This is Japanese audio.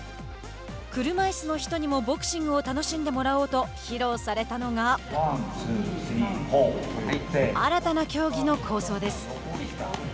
車いすの人にもボクシングを楽しんでもらおうと披露されたのが新たな競技の構想です。